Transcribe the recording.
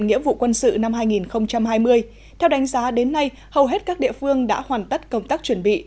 nghĩa vụ quân sự năm hai nghìn hai mươi theo đánh giá đến nay hầu hết các địa phương đã hoàn tất công tác chuẩn bị